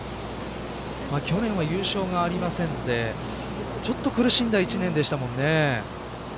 去年は優勝がありませんのでちょっと苦しんだ一年でしたもんね。